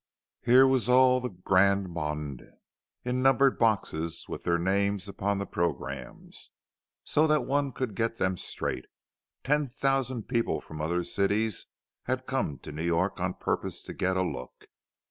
Here was all the grand monde, in numbered boxes, and with their names upon the programmes, so that one could get them straight. Ten thousand people from other cities had come to New York on purpose to get a look.